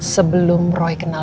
sebelum roy kenal